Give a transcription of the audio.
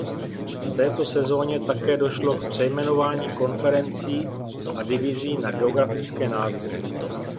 V této sezoně také došlo k přejmenování konferencí a divizí na geografické názvy.